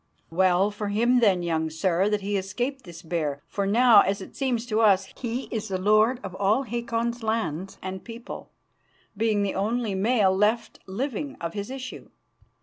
"Well for him, then, young sir, that he escaped this bear, for now, as it seems to us, he is the lord of all Hakon's lands and people, being the only male left living of his issue.